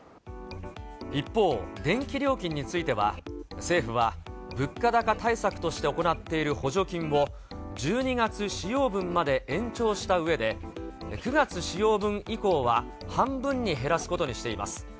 一方、電気料金については、政府は、物価高対策として行っている補助金を、１２月使用分まで延長したうえで、９月使用分以降は半分に減らすことにしています。